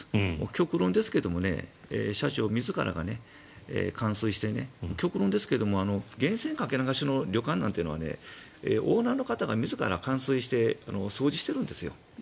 極論ですけれど社長自らが換水して極論ですが、源泉かけ流しの旅館なんていうのはオーナーの方が自ら換水して掃除してるんですよ。